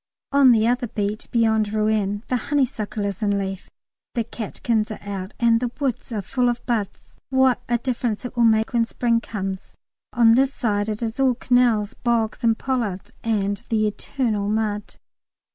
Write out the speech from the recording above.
On the other beat, beyond Rouen, the honeysuckle is in leaf, the catkins are out, and the woods are full of buds. What a difference it will make when spring comes. On this side it is all canals, bogs, and pollards, and the eternal mud.